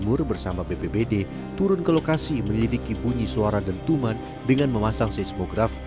bumbd turun ke lokasi menyediki bunyi suara dentuman dengan memasang seismograf